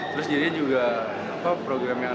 terus jadinya juga program yang